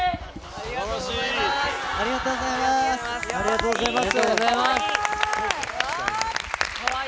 ありがとうございます。